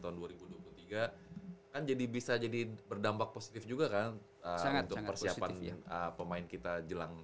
tahun dua ribu dua puluh tiga kan jadi bisa jadi berdampak positif juga kan untuk persiapan pemain kita jelang